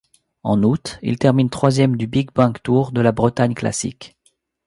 En août, il termine troisième du BinckBank Tour et de la Bretagne Classic.